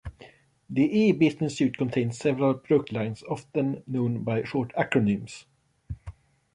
The E-Business Suite contains several product lines often known by short acronyms.